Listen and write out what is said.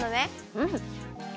うん。